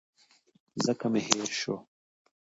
ځکه مي هېر شو .